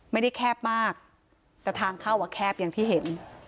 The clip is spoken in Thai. ไม่ได้แคบมากแต่ทางเข้าอ่ะแคบอย่างที่เห็น